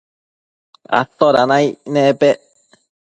atoda naic nepec